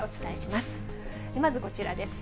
まずこちらです。